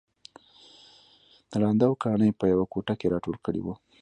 ړانده او کاڼه يې په يوه کوټه کې راټول کړي وو